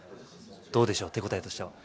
どうでしょう、手応えとしては。